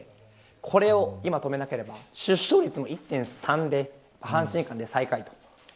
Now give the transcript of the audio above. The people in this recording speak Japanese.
これを今止めなければ出生率も１．３で阪神間で最下位です。